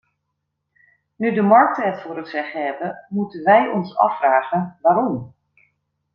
Nu de markten het voor het zeggen hebben, moeten wij ons afvragen waarom.